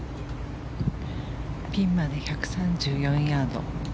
ピンまで１３４ヤード。